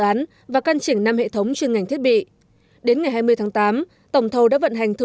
dự án và căn chỉnh năm hệ thống chuyên ngành thiết bị đến ngày hai mươi tháng tám tổng thầu đã vận hành thử